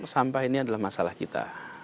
sampah ini adalah masalah kita